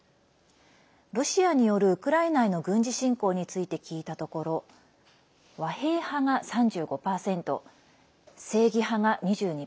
ロシアによるウクライナへの軍事侵攻について聞いたところ和平派が３５％、正義派が２２％。